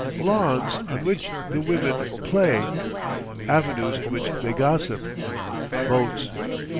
Lawns on which the women play, avenues in which they gossip, boats....